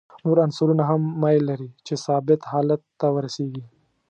نور عنصرونه هم میل لري چې ثابت حالت ته ورسیږي.